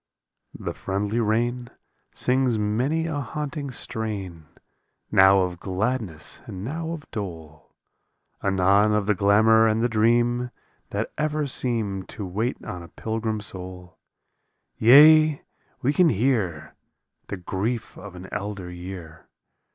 47 The friendly rain Sings many a haunting strain, Now of gladness and now of dole, Anon of the glamor and the dream That ever seem To wait on a pilgrim soul ; Yea, we can hear The grief of an elder year.